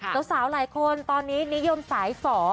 สาวหลายคนตอนนี้นิยมสายฝ่อ